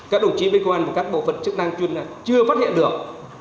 các đồng chí bên công an và các bộ phận chức năng chưa phát hiện được